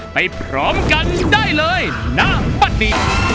ไปพร้อมกันได้เลยณปฏิ